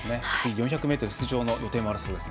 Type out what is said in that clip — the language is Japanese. ４００ｍ出場の予定があるそうです。